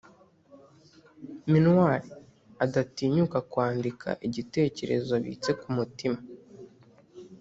minuar adatinyuka kwandika igitekerezo abitse ku mutima.